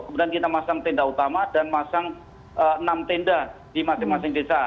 kemudian kita masang tenda utama dan masang enam tenda di masing masing desa